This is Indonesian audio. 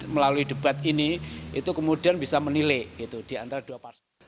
melalui debat ini itu kemudian bisa menilai gitu di antara dua partai